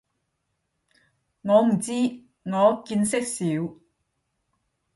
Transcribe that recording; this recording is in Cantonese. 我唔知，我見識少